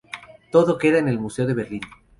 Todo queda en el Museo de Berlín.